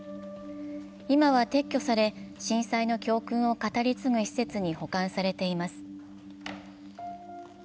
今は撤去され、震災の教訓を語り継ぐ施設に保管されています。